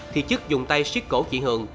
thì chức dùng tay siết cổ chị hường